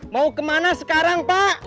mau kemana sekarang pak